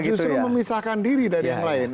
justru memisahkan diri dari yang lain